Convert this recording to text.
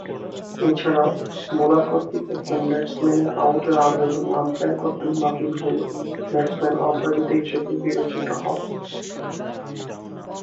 এছাড়াও, বোলার কর্তৃক একজন ব্যাটসম্যানের আউটের আবেদন আম্পায়ার কর্তৃক বাতিল হলে ব্যাটসম্যান অপরাজিত হিসেবে বিবেচিত হন।